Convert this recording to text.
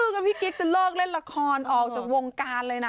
ก็พี่กิ๊กจะเลิกเล่นละครออกจากวงการเลยนะ